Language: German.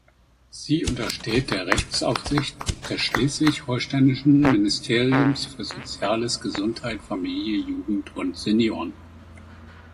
Sie untersteht der Rechtsaufsicht des Schleswig-Holsteinischen Ministeriums für Soziales, Gesundheit, Familie, Jugend und Senioren.